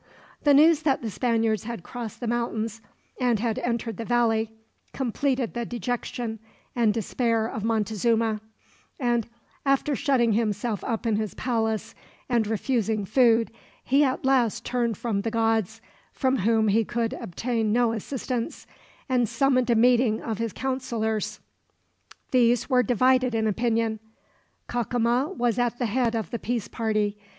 The news that the Spaniards had crossed the mountains, and had entered the valley, completed the dejection and despair of Montezuma; and after shutting himself up in his palace, and refusing food, he at last turned from the gods, from whom he could obtain no assistance, and summoned a meeting of his counselors. These were divided in opinion. Cacama was at the head of the peace party.